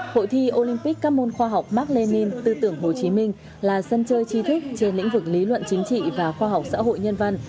hội thi olympic các môn khoa học mark lenin tư tưởng hồ chí minh là sân chơi trí thức trên lĩnh vực lý luận chính trị và khoa học xã hội nhân văn